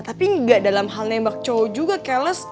tapi gak dalam hal nembak cowo juga keles